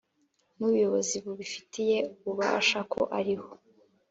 n Ubuyobozi bubifitiye ububasha ko ari ho